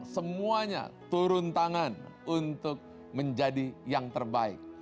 semuanya turun tangan untuk menjadi yang terbaik